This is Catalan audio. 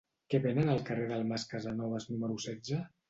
Què venen al carrer del Mas Casanovas número setze?